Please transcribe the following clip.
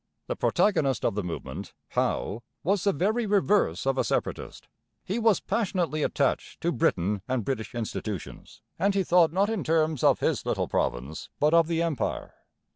The protagonist of the movement, Howe, was the very reverse of a separatist. He was passionately attached to Britain and British institutions, and he thought not in terms of his little province, but of the Empire.